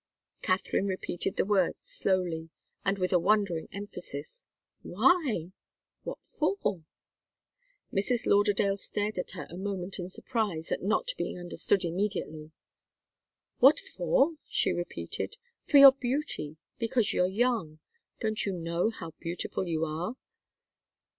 Katharine repeated the words slowly and with a wondering emphasis. "Why? What for?" Mrs. Lauderdale stared at her a moment in surprise at not being understood immediately. "What for?" she repeated. "For your beauty because you're young. Don't you know how beautiful you are?"